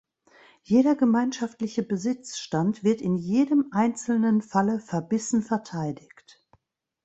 Jeder gemeinschaftliche Besitzstand wird in jedem einzelnen Falle verbissen verteidigt.